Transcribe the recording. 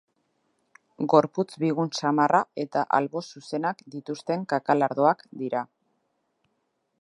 Gorputz bigun samarra eta albo zuzenak dituzten kakalardoak dira.